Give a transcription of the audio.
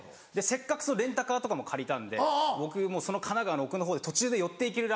せっかくレンタカーとかも借りたんで僕神奈川の奥のほうで途中で寄って行ける